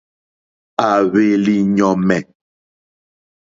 À hwèlì yɔ̀mɛ̀.